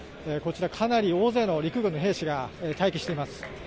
こちら、かなり大勢の陸軍の兵士が待機しています。